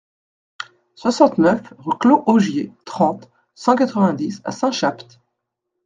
soixante-neuf rue Claux Augier, trente, cent quatre-vingt-dix à Saint-Chaptes